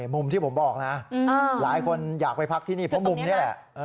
มุมที่ผมบอกนะหลายคนอยากไปพักที่นี่เพราะมุมนี้แหละ